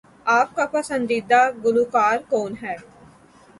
آپ کا پسندیدہ گلوکار کون ہے؟